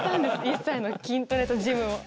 一切の筋トレとジムを。